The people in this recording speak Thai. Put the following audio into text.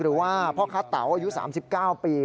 หรือว่าพ่อค้าเต๋าอายุ๓๙ปี